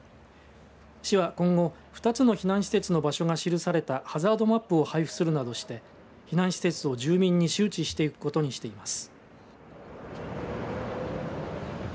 市は今後、２つの避難施設の場所が記されたハザードマップを配布するなどして避難施設を住民に周知していくことにしています。